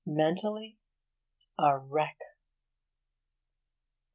mentally a wreck.